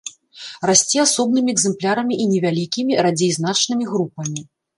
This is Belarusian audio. Расце асобнымі экземплярамі і невялікімі, радзей значнымі групамі.